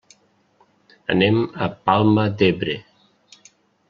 Anem a la Palma d'Ebre.